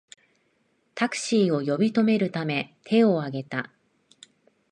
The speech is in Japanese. タクシーを呼び止めるために手をあげた